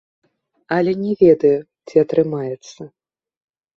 Але не ведаю, ці атрымаецца.